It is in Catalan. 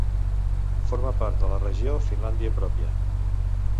Forma part de la regió Finlàndia Pròpia.